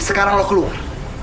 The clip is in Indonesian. sekarang lo keluar